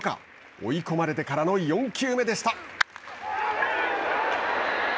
追い込まれてからの４球目でした。